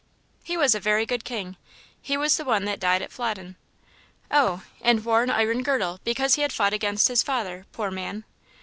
"He was a very good king; he was the one that died at Flodden." "Oh, and wore an iron girdle, because he had fought against his father, poor man!"